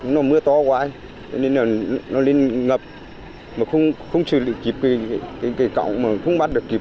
nó mưa to quá nên nó lên ngập mà không xử lý kịp cái cọng mà không bắt được kịp